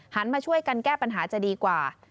มาช่วยกันแก้ปัญหาจะดีกว่า